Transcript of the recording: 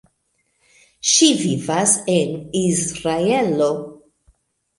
Ŝi vivas en Izraelo.